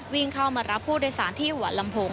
วิ่งเข้ามารับผู้โดยสารที่หัวลำโพง